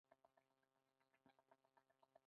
جواهرات د افغانستان د جغرافیایي موقیعت پایله ده.